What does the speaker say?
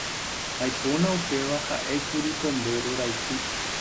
Aipóna upéva ha'ékuri Pombéro raity.